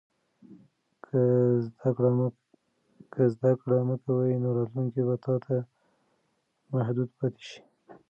که زده کړه مه کوې، نو راتلونکی به تا ته محدود پاتې شي.